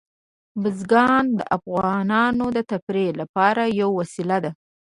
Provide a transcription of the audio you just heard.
بزګان د افغانانو د تفریح لپاره یوه وسیله ده.